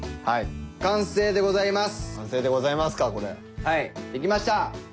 はいできました。